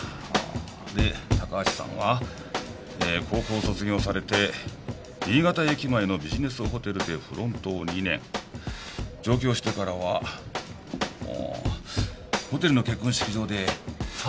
で高橋さんは高校を卒業されて新潟駅前のビジネスホテルでフロントを２年上京してからはホテルの結婚式場でサービスを担当されたと？